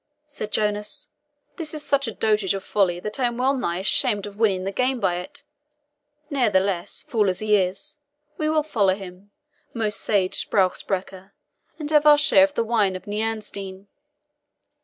said Jonas; "this is such dotage of folly that I am well nigh ashamed of winning the game by it. Ne'ertheless, fool as he is, we will follow him, most sage SPRUCH SPRECHER, and have our share of the wine of NIERENSTEIN."